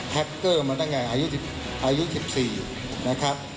เกอร์มาตั้งแต่อายุ๑๔นะครับ